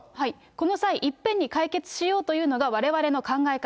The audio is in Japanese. この際、いっぺんに解決しようというのがわれわれの考え方。